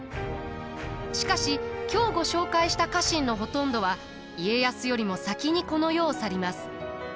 しかし今日ご紹介した家臣のほとんどは家康よりも先にこの世を去ります。